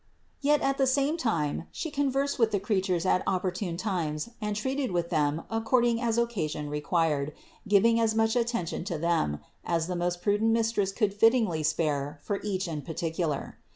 Yet at the same time She conversed with the creatures at opportune times and treated with them according as occasion required, giving as much at tention to them, as the most prudent Mistress could fit tingly spare for each in particular.